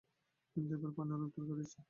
কিন্তু এবার পানি অনেক দূর গড়িয়েছে।